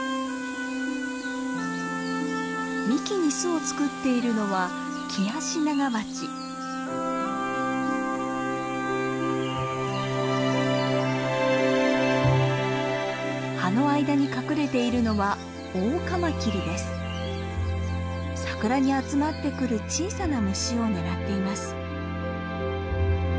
幹に巣を作っているのは葉の間に隠れているのはサクラに集まってくる小さな虫を狙っています。